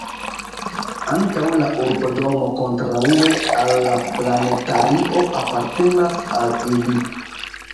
Ankaŭ la urbodomo kontraŭe al la planetario apartenas al ili.